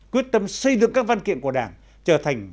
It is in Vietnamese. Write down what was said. quyết tâm xây dựng các văn kiện của đảng trở thành văn bản